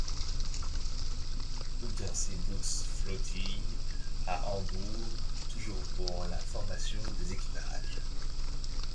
Unterseebootsflottille à Hambourg, toujours pour la formation des équipages.